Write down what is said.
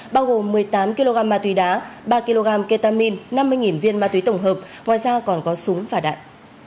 bao gồm một mươi tám kg ma túy đá ba kg ketamin năm mươi viên ma túy tổng hợp ngoài ra còn có súng và đạn